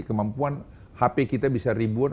kemampuan hp kita bisa ribut